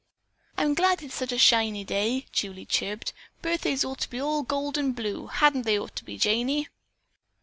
"I'm glad it's such a shiny day," Julie chirped. "Birthdays ought to be all gold and blue, hadn't they ought to be, Janey?"